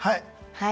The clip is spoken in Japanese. はい。